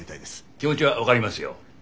気持ちは分かりますよ。